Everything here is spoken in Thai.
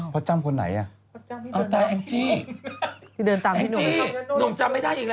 พ่อจ้ำคนไหนอ่ะ